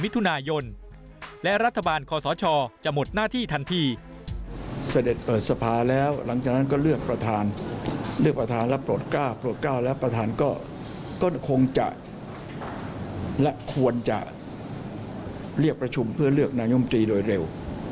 โต๊ะกล้าโต๊ะกล้าแล้วประธานก็คงจะและควรจะเรียกประชุมเพื่อเลือกนายกรัฐมนตรีโดยเร็ว